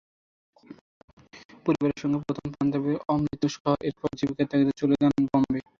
পরিবারের সঙ্গে প্রথমে পাঞ্জাবের অমৃতসর, এরপর জীবিকার তাগিদে চলে যান বোম্বে।